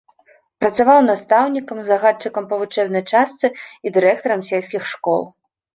Працаваў настаўнікам, загадчыкам па вучэбнай частцы і дырэктарам сельскіх школ.